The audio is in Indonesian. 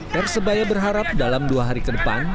persebaya berharap dalam dua hari ke depan